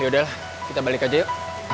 yaudah lah kita balik aja yuk